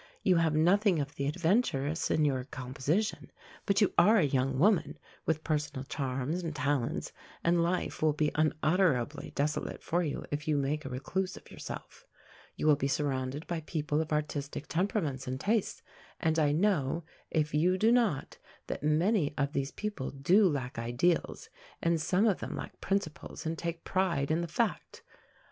You have nothing of the adventuress in your composition, but you are a young woman, with personal charms and talents, and life will be unutterably desolate for you if you make a recluse of yourself. You will be surrounded by people of artistic temperaments and tastes, and I know, if you do not, that many of these people do lack ideals, and some of them lack principles and take pride in the fact.